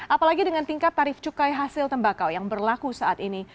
apalagi dengan tingkat tarif cukai hasil tembakau yang berlaku saat ini